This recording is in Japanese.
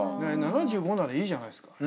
７５ならいいじゃないですか。